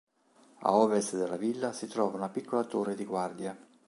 A ovest della villa si trova una piccola torre di guardia.